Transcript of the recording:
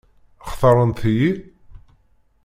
Xtaṛent-iyi?